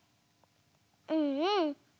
うんうん！